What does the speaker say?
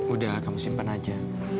udah kamu simpen aja